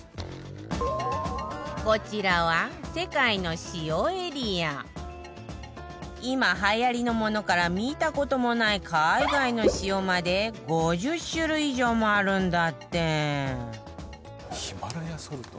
こちらは今はやりのものから見た事もない海外の塩まで５０種類以上もあるんだって